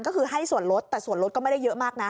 ก็คือให้ส่วนลดแต่ส่วนรถก็ไม่ได้เยอะมากนะ